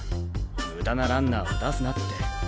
ムダなランナーは出すなって。